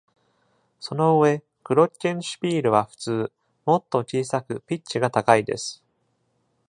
その上グロッケンシュピールは普通、もっと小さくピッチが高いです。